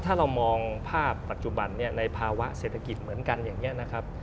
ถ้าเรามองภาพปัจจุบันเนี่ยในภาวะเศรษฐกิจเหมือนกันอย่างนี้นะครับ